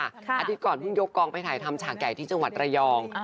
อาทิตย์ก่อนเพิ่งยกกองไปถ่ายทำฉากใหญ่ที่จังหวัดระยอง